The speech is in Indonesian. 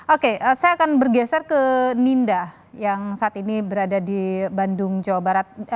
oke saya akan bergeser ke ninda yang saat ini berada di bandung jawa barat